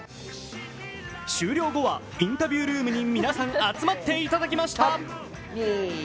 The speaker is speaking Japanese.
終了後は、インタビュールームに皆さん集まっていただきました。